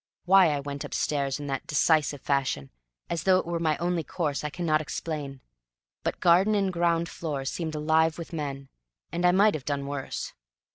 Why I went upstairs in that decisive fashion, as though it were my only course, I cannot explain. But garden and ground floor seemed alive with men, and I might have done worse.